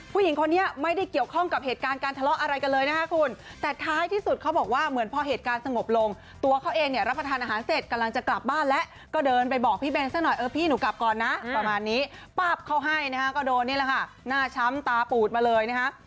ประมาณนี้ป้าบเขาให้นะครับก็โดนนี่ละค่ะหน้าช้ำตาปู๊ดมาเลยนะครับ